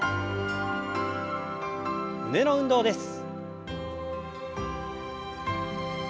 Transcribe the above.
胸の運動です。